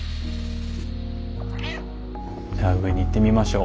じゃあ上に行ってみましょう。